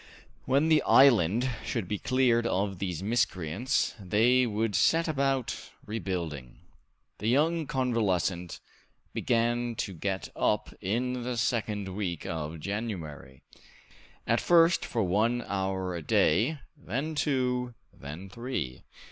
When the island should be cleared of these miscreants, they would set about rebuilding. The young convalescent began to get up in the second week of January, at first for one hour a day, then two, then three.